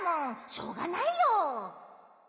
しょうがないよ。